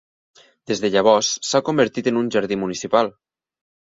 Des de llavors s'ha convertit en un jardí municipal.